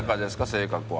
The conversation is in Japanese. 性格は。